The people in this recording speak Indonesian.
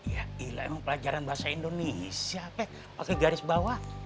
ya ilah emang pelajaran bahasa indonesia pakai garis bawah